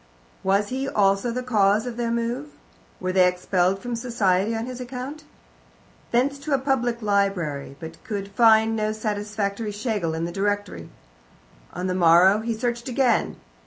Was he also the cause of their move? Were they expelled from society on his account? Thence to a public library, but could find no satisfactory Schlegel in the directory. On the morrow he searched again.